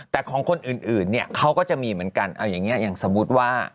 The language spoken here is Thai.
แต่ของคนอื่นเนี่ยเขาก็จะมีเหมือนกันเอาอย่างนี้อย่างสมมุติว่า